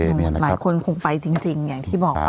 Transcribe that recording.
นี่เนี่ยอีกห้องทางที่หลายคนคงไปจริงจริงอย่างที่บอกไปนะคะ